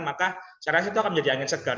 maka saya rasa itu akan menjadi angin segar